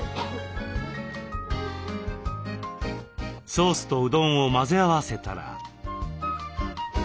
ソースとうどんを混ぜ合わせたら。